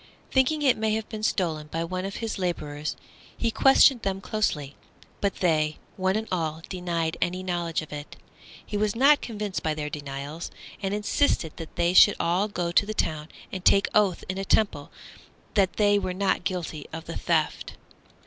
Thinking it may have been stolen by one of his labourers, he questioned them closely, but they one and all denied any knowledge of it. He was not convinced by their denials, and insisted that they should all go to the town and take oath in a temple that they were not guilty of the theft.